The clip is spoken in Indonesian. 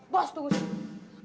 bos tunggu sini